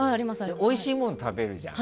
おいしいもの食べるじゃん。